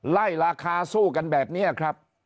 ไล่ราคาสู้กันแบบนี้ครับ